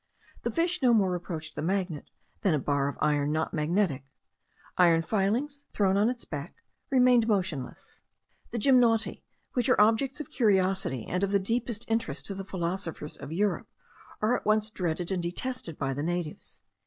The fish no more approached the magnet, than a bar of iron not magnetic. Iron filings, thrown on its back, remained motionless. The gymnoti, which are objects of curiosity and of the deepest interest to the philosophers of Europe, are at once dreaded and detested by the natives.